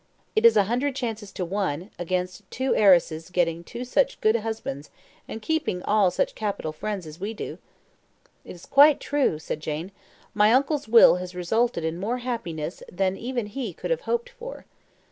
It is a hundred chances to one against two heiresses getting two such good husbands, and keeping all such capital friends as we do." "It is quite true," said Jane; "my uncle's will has resulted in more happiness than even he could have hoped for."